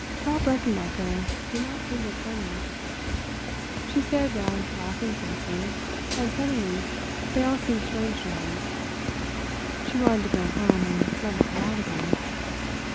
Frau Brechenmacher did not think it funny. She stared round at the laughing faces, and suddenly they all seemed strange to her. She wanted to go home and never come out again.